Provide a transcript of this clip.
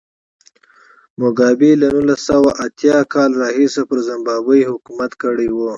موګابي له نولس سوه اتیا کال راهیسې پر زیمبابوې حکومت کړی و.